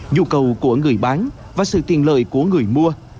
nhu cầu của người bán và sự tiền lợi của người mua